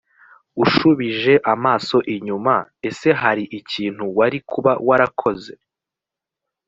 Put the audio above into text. ushubije amaso inyuma ese hari ikintu wari kuba warakoze